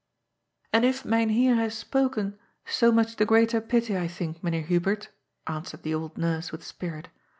"And if Mynheer has spoken, so much the greater pity, I think, Meneer Hubert," answered the old Nurse with spirit.